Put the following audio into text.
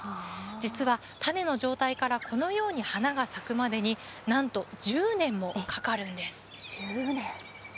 実は種の状態からこのように花が咲くまでに、なんと１０年もかかるんです。